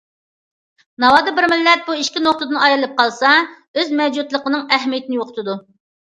ناۋادا بىر مىللەت بۇ ئىككى نۇقتىدىن ئايرىلىپ قالسا، ئۆز مەۋجۇتلۇقىنىڭ ئەھمىيىتىنى يوقىتىدۇ.